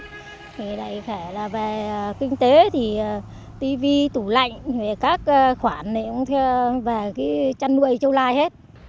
thế này phải là về kinh tế thì tivi tủ lạnh các khoản này cũng theo và chăn nuôi châu lai hết